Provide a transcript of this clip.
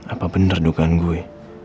apa bener dugaan gue